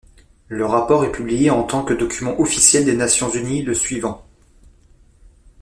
Le rapport est publié en tant que document officiel des Nations unies le suivant.